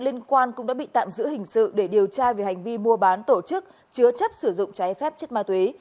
liên quan cũng đã bị tạm giữ hình sự để điều tra về hành vi mua bán tổ chức chứa chấp sử dụng trái phép chất ma túy